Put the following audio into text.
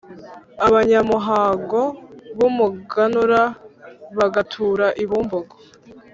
abanyamuhango b’umuganura, bagatura i Bumbogo;